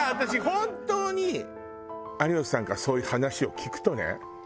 本当に有吉さんからそういう話を聞くとね